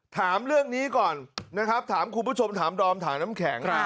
ถามเรื่องนี้ก่อนนะครับถามคุณผู้ชมถามดอมถามน้ำแข็ง